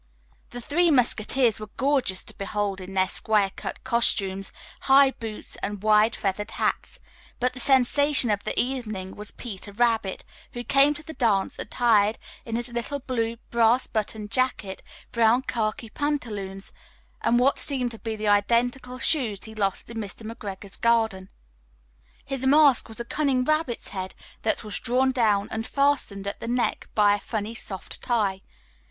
"The Three Musketeers" were gorgeous to behold in their square cut costumes, high boots and wide feathered hats, but the sensation of the evening was "Peter Rabbit," who came to the dance attired in his little blue, brass buttoned jacket, brown khaki pantaloons and what seemed to be the identical shoes he lost in Mr. McGregor's garden. His mask was a cunning rabbit's head that was drawn down and fastened at the neck by a funny soft tie.